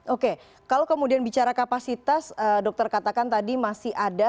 oke kalau kemudian bicara kapasitas dokter katakan tadi masih ada